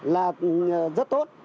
là rất tốt